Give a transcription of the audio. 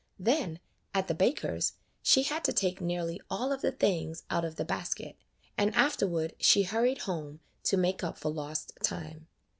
Then at the baker's she had to take nearly all of the things out of the basket, and afterward she hurried home, to make up for lost time.